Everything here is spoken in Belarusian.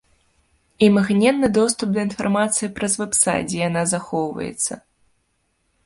Імгненны доступ да інфармацыі праз вэб-сайт, дзе яна захоўваецца.